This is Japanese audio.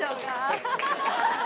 ハハハハ！